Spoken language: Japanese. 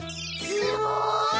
すごい！